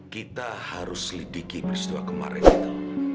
kita harus selidiki peristiwa kemarin itu